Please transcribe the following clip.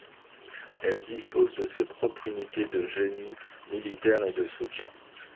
Elle dispose de ses propres unités de génie militaire et de soutien.